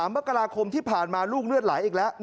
มกราคมที่ผ่านมาลูกเลือดไหลอีกแล้ว